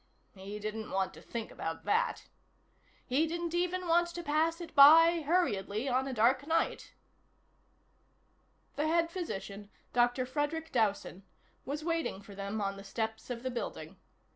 He didn't want to think about that. He didn't even want to pass it by hurriedly on a dark night. The head physician, Dr. Frederic Dowson, was waiting for them on the steps of the building.